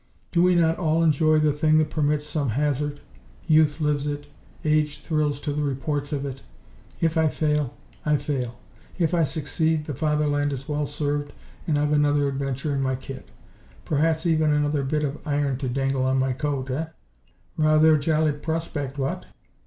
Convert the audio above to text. "Do we not all enjoy the thing that presents some hazard? Youth lives it; age thrills to the reports of it. If I fail, I fail. If I succeed, the Fatherland is well served and I've another adventure in my kit. Perhaps even another bit of iron to dangle on my coat, eh? Rawther jolly prospect, what?"